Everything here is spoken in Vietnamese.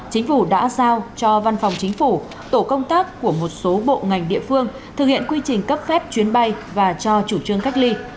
chính phủ đã giao cho văn phòng chính phủ tổ công tác của một số bộ ngành địa phương thực hiện quy trình cấp phép chuyến bay và cho chủ trương cách ly